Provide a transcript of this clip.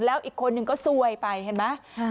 แล้วอีกคนนึงก็ซวยไปเห็นไหม